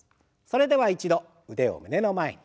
それでは一度腕を胸の前に。